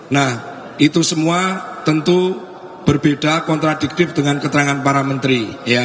nah itu semua tentu berbeda kontradiktif dengan keterangan para menteri